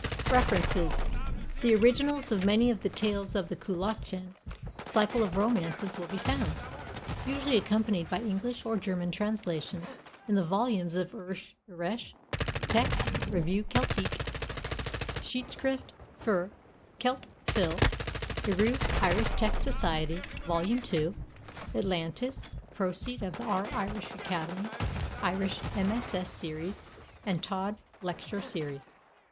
REFERENCES: The originals of many of the Tales of the Cuchulainn cycle of romances will be found, usually accompanied by English or German translations, in the volumes of Irische Texte; Revue Celtique; Zeitschrift für Celt. Phil.; Eriu; Irish Texts Society, vol. II; Atlantis; Proceed. of the R. Irish Academy (Irish MSS. Series and Todd Lecture Series).